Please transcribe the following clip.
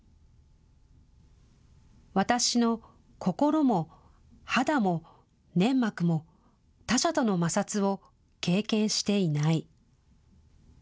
私の心も、肌も、粘膜も、他者との摩擦を経験していない。